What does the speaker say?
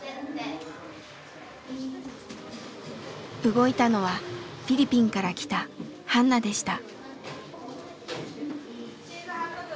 動いたのはフィリピンから来たハンナでした。